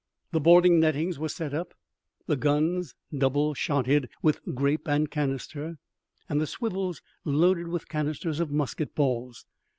The boarding nettings were up, the guns double shotted with grape and canister, and the swivels loaded with canisters of musket balls.